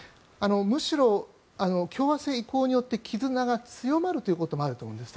むしろ共和制移行によって絆が強まるということがあると思うんです。